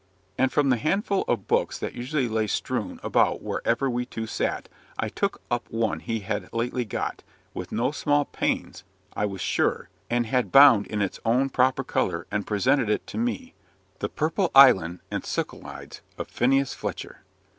And from the handful of books that usually lay strewn about wherever we two sat, I took up one he had lately got, with no small pains I was sure, and had had bound in its own proper colour, and presented it to me "The Purple Island," and "Sicelides," of Phineas Fletcher.